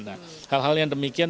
nah hal hal yang demikian